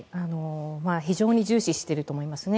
非常に重視していると思いますね。